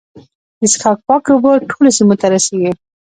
د څښاک پاکې اوبه ټولو سیمو ته رسیږي.